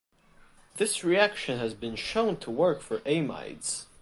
This reaction has been shown to work for amides.